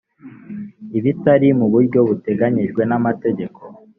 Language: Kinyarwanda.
bitari mu buryo buteganyijwe n amategeko